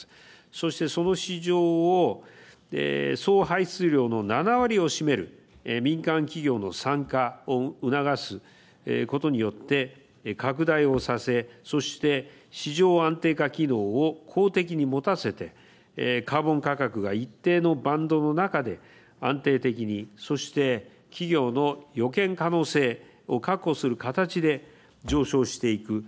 そしてその市場を総排出量の７割を占める民間企業の参加を促すことによって拡大をさせそして市場安定化機能を公的に持たせてカーボン価格が一定のバンドの中で安定的にそして企業の予見可能性を確保する形で上昇していく。